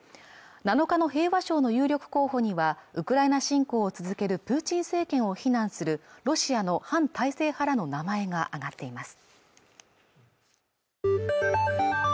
７日の平和賞の有力候補にはウクライナ侵攻を続けるプーチン政権を非難するロシアの反体制派らの名前が挙がっています